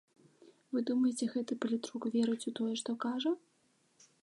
Вы думаеце, гэты палітрук верыць у тое, што кажа?